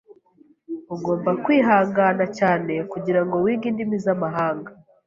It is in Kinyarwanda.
Ugomba kwihangana cyane kugirango wige indimi zamahanga.